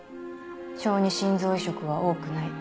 小児心臓移植は多くない。